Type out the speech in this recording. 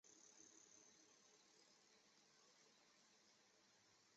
美国海军天文台也在塔斯马尼亚岛用可携式录影设备记录了偏食阶段的图像。